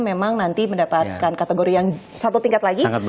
memang nanti mendapatkan kategori yang satu tingkat lagi